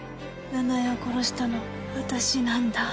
奈々江を殺したのは私なんだ。